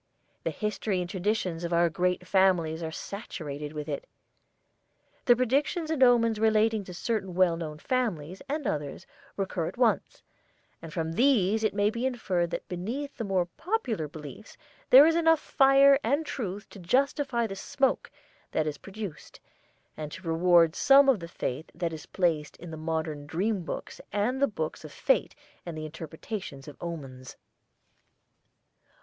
The history and traditions of our great families are saturated with it. The predictions and omens relating to certain well known families, and others, recur at once; and from these it may be inferred that beneath the more popular beliefs there is enough fire and truth to justify the smoke that is produced, and to reward some of the faith that is placed in the modern dreambooks and the books of fate and the interpretations of omens.